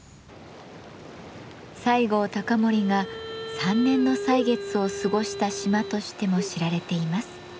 西郷隆盛が３年の歳月を過ごした島としても知られています。